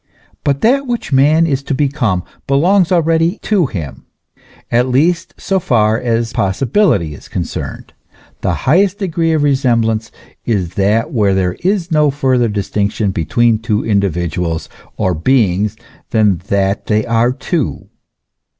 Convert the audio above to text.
But that which man is to become, belongs already to him, at least so far as possibility is concerned. The highest degree of re semblance is that where there is no further distinction between two individuals or beings than that they are two.